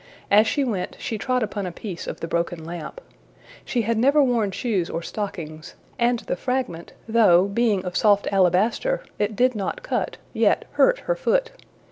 As she went she trod upon a piece of the broken lamp. She had never worn shoes or stockings, and the fragment, though, being of soft alabaster, it did not cut, yet hurt her foot.